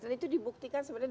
dan itu dibuktikan sebenarnya